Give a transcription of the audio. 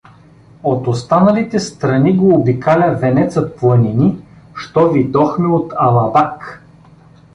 От осталите страни го обикаля венецът планини, що видохме от Алабак.